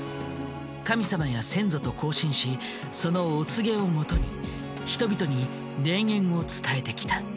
神さまや先祖と交信しそのお告げを基に人々に霊言を伝えてきた。